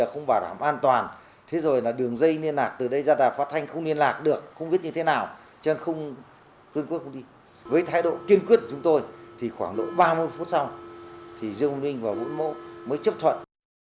ba mươi phút sau thì dương ninh và vũ mô mới chấp thuận